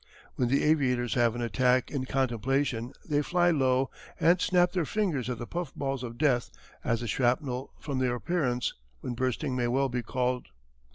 When the aviators have an attack in contemplation they fly low and snap their fingers at the puff balls of death as the shrapnel from their appearance when bursting may well be called.